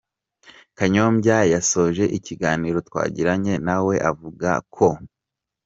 Kanyombya yasoje ikiganiro twagiranye na we avuga ko.